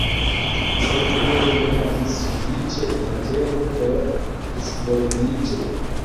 Sekve li ne havis sufiĉe da tempo por disvolviĝo.